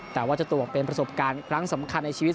แต่ว่าจะตกเป็นประสบการณ์ครั้งสำคัญในชีวิต